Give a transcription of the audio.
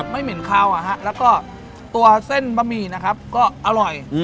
ไม่เหม็นคาวแล้วก็ตัวเส้นบะหมี่นะครับก็อร่อย